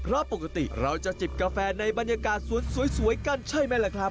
เพราะปกติเราจะจิบกาแฟในบรรยากาศสวนสวยกันใช่ไหมล่ะครับ